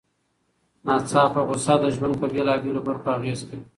ناڅاپه غوسه د ژوند په بېلابېلو برخو اغېز کوي.